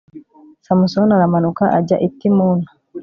samusoni aramanuka ajya i timuna